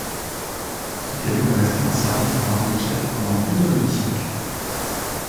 Ce camion est resté en service dans l'armée tchèque pendant plus d'un demi siècle.